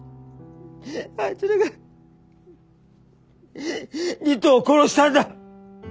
あいつらが理人を殺したんだ。